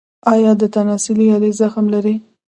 ایا د تناسلي آلې زخم لرئ؟